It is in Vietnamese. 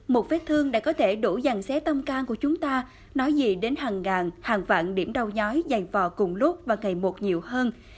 một vết thương đã có thể đổ dàn xé tâm can của chúng ta nói gì đến hàng ngàn hàng vạn điểm đau nhói dày vò cùng lút và ngày một nhiều hơn